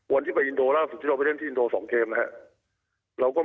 วันที่ไปอินโดล่าสุดที่เราไปเล่นที่อินโด๒เกมนะครับ